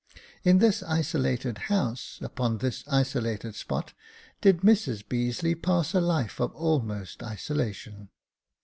In this isolated house, upon this isolated spot, did Mrs Beazeley pass a life of almost isolation.